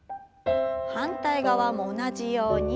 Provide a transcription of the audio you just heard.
反対側も同じように。